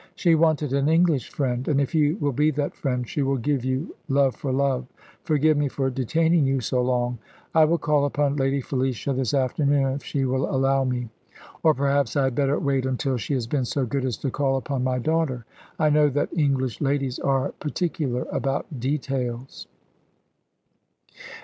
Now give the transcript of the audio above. She wanted an English friend; and if you will be that friend, she will give you love for love. Forgive me for detaining you so long. I will call upon Lady Felicia this afternoon, if she will allow me or perhaps I had better wait until she has been so good as to call upon my daughter. I know that English ladies are particular about details!"